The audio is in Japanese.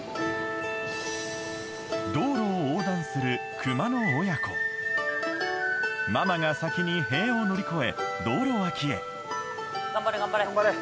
道路を横断するママが先に塀を乗り越え道路脇へ